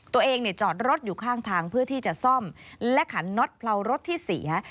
จอดรถอยู่ข้างทางเพื่อที่จะซ่อมและขันน็อตเผลารถที่เสีย